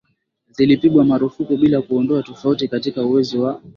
zilipigwa marufuku bila kuondoa tofauti katika uwezo wa